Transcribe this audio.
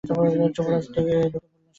যুবরাজ দুকে পড়লেন সেই ঘরে।